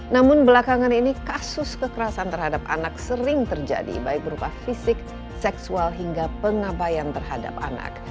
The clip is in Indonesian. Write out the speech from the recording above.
namun belakangan ini kasus kekerasan terhadap anak sering terjadi baik berupa fisik seksual hingga pengabayan terhadap anak